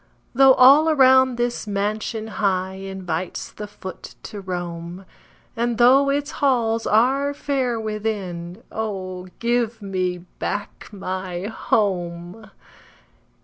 Though all around this mansion high Invites the foot to roam, And though its halls are fair within Oh, give me back my HOME!